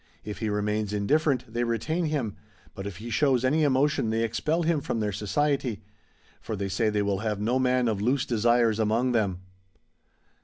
If he remains indifferent they retain him, but if he shows any emotion tlicy expel him from their society. For they say they will have no man of loose desires among them.